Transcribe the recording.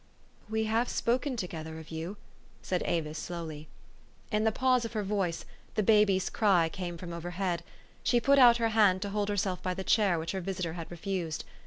" We have spoken together of you," said Avis slowly. In the pause of her voice, the baby's cry came from overhead : she put out her hand to hold herself by the chair which her visitor had refused.